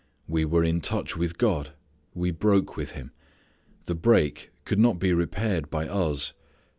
We were in touch with God. We broke with Him. The break could not be repaired by us.